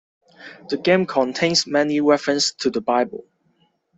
The game contains many references to the Bible.